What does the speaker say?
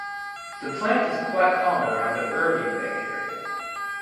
The plant is quite common around the Irvinebank area.